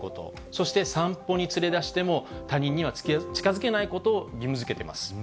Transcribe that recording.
そして散歩に連れ出しても他人には近づけないことを義務づけています。